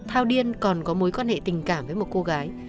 thao điên còn có mối quan hệ tình cảm với một cô gái